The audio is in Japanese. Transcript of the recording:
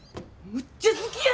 めっちゃ好きや。